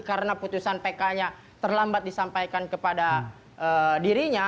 karena putusan pk nya terlambat disampaikan kepada dirinya